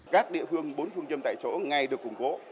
các địa phương bốn phương châm tại chỗ ngay được củng cố